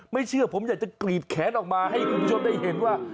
ไม่เชื่อผมอยากจะกรีดแขนออกมาให้คุณผู้ชมได้เห็นว่า